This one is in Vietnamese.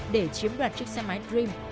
để chiếm đoạt chiếc xe máy dream